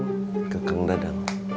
acing ke kengdadang